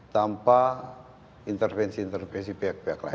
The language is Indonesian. tanpa intervensi intervensi pihak pihak lain